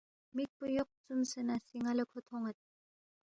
مکپو یوق ژوم نہ سی نالا کھو تھونید۔